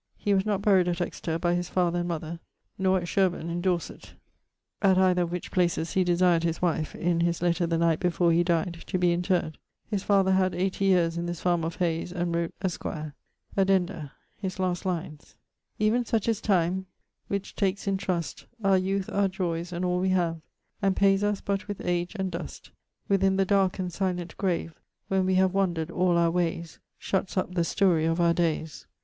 He was not buryed at Exeter by his father and mother, nor at Shirburne in Dorset; at either of which places he desired his wife (in his letter the night before he dyed) to be interred. His father had 80 yeares in this farme of Hayes, and wrote 'esquier.' <_Addenda._> <_His last lines._> Even such is tyme, which takes in trust Our youth, our joyes, and all we have, And payes us but with age and dust. Within the darke and silent grave, When we have wandered all our wayes, Shutts up the story of our dayes.